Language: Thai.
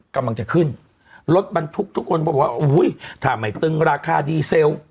กำลังจะขึ้นรถบรรทุกทุกคนก็บอกว่าอุ้ยถ้าไม่ตึงราคาดีเซล